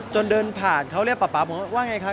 จนเดินผ่านเขาเรียกป๊าผมว่าไงคะ